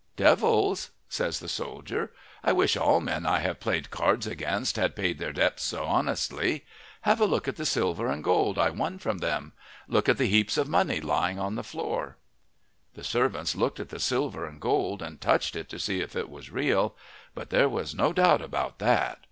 "Devils?" says the soldier. "I wish all men I have played cards against had paid their debts so honestly. Have a look at the silver and gold I won from them. Look at the heaps of money lying on the floor." The servants looked at the silver and gold and touched it to see if it was real. But there was no doubt about that.